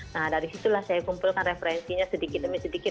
nah dari situlah saya kumpulkan referensinya sedikit demi sedikit